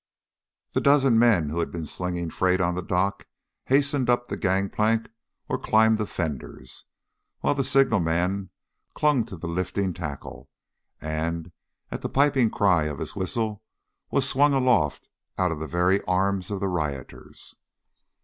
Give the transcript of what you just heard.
The dozen men who had been slinging freight on the dock hastened up the gang plank or climbed the fenders, while the signal man clung to the lifting tackle, and, at the piping cry of his whistle, was swung aloft out of the very arms of the rioters.